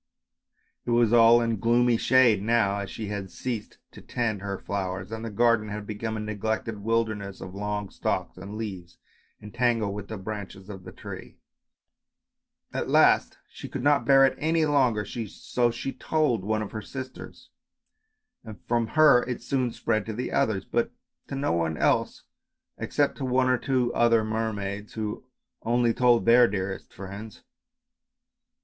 It was all in gloomy shade now, as she had ceased to tend her flowers and the garden had become a neglected wilder ness of long stalks and leaves entangled with the branches of the tree. At last she could not bear it any longer, so she told one of her sisters, and from her it soon spread to the others, but to no one else except to one or two other mermaids who only told their dearest friends.